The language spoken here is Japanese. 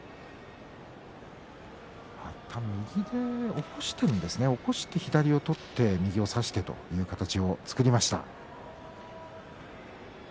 また右で起こしているんですね起こして左を取って右を差してという形を作りました。